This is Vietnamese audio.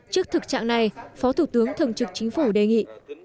trước thực trạng này phó thủ tướng thường trực chính phủ đề nghị